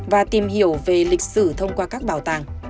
và tìm hiểu về lịch sử thông qua các bảo tàng